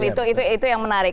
itu yang menarik